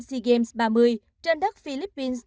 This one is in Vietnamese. sea games ba mươi trên đất philippines